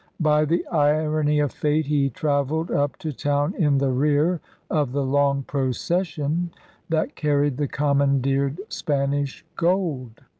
By the irony of fate he travelled up 100 ELIZABETHAN SEA DOGS to town in the rear of the long procession that carried the commandeered Spanish gold.